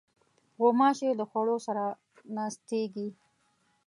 غوماشې له خوړو سره ناستېږي.